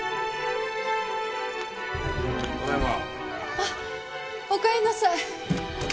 あっおかえりなさい。